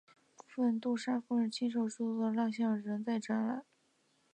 部分杜莎夫人亲手制作的蜡象仍然在展览。